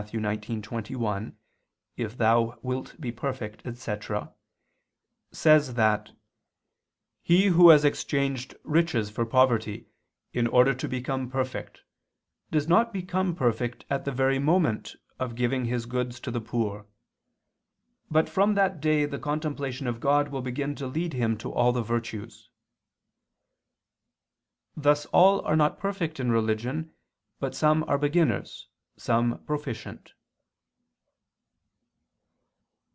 19:21, "If thou wilt be perfect," etc., says (Tract. viii in Matth.) that "he who has exchanged riches for poverty in order to become perfect does not become perfect at the very moment of giving his goods to the poor; but from that day the contemplation of God will begin to lead him to all the virtues." Thus all are not perfect in religion, but some are beginners, some proficient.